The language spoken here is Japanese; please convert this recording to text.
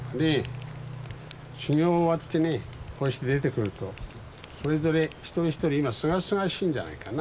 修行終わってねこうして出てくるとそれぞれ一人一人今すがすがしいんじゃないかな。